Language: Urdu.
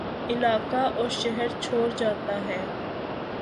علاقہ اور شہرچھوڑ جاتا ہے